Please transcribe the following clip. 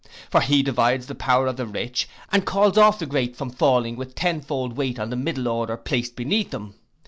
For he divides the power of the rich, and calls off the great from falling with tenfold weight on the middle order placed beneath them.